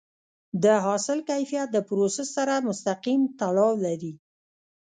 د حاصل کیفیت د پروسس سره مستقیم تړاو لري.